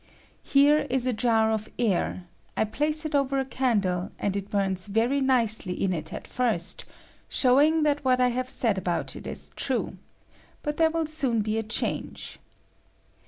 Here ia a jar of air; I place it over a candle, and it bums very nicely in it at first, showing that what I have said about it is true ; but there will soon be a change.